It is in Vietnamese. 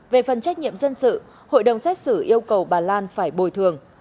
về phần trách nhiệm dân sự hội đồng xét xử yêu cầu bà lan phải bồi thường